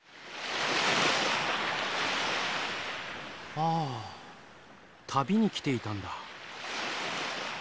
ああ旅に来ていたんだ。